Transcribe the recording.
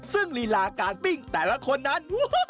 ซึ่งลีลาการปิ้งแต่ละคนนั้น